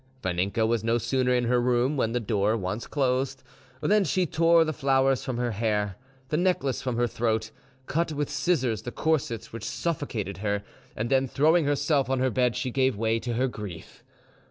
Vaninka was no sooner in her room, with the door once closed, than she tore the flowers from her hair, the necklace from her throat, cut with scissors the corsets which suffocated her, and then, throwing herself on her bed, she gave way to her grief.